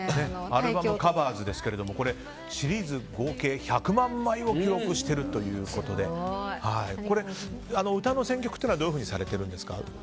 「ＣＯＶＥＲＳ」ですけどシリーズ合計１００万枚を記録しているということで歌の選曲はどういうふうにされているんですか？